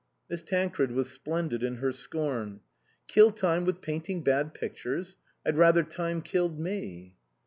Miss Tancred was splendid in her scorn. "Kill time with painting bad pictures ? I'd rather time killed me."